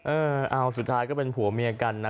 เออเอาสุดท้ายก็เป็นผัวเมียกันนะ